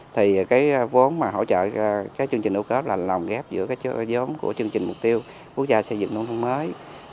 thì vốn hỗ trợ các chương trình ô cốt là lòng ghép giữa các dốn của chương trình mục tiêu quốc gia xây dựng nông thông mới